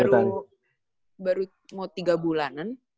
baru mau tiga bulanan